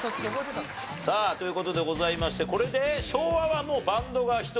さあという事でございましてこれで昭和はもうバンドが１組と。